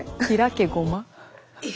ひらけごま？